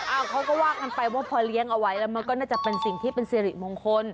เขาก็ว่ากันไปว่าพอเลี้ยงเอาไว้แล้วมันก็น่าจะเป็นสิ่งที่เป็นสิริมงคล